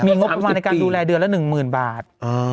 มีงบประมาณในการดูแลเดือนละ๑๐๐๐บาท